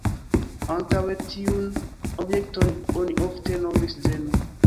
Antaŭe tiun objekton oni ofte nomis "Zeno".